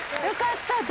よかった。